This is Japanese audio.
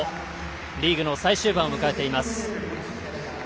リーグの最終盤を迎えています。